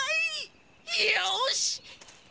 よし！